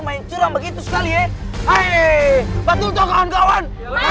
main cerah begitu sekali hai betul tokoan kawan